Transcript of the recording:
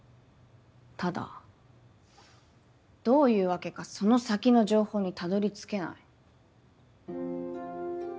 ただどういうわけかその先の情報にたどりつけない。